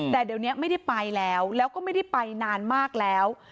แต่เดี๋ยวนี้ไม่ได้ไปแล้วแล้วก็ไม่ได้ไปนานมากแล้ว